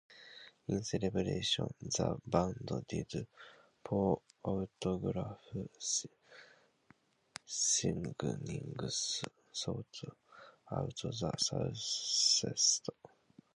In celebration, the band did four autograph signings throughout the southeast.